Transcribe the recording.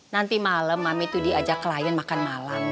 nanti malem mami diajak klien makan malam